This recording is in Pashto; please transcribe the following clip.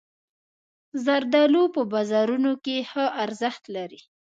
زردالو په بازارونو کې ښه ارزښت لري.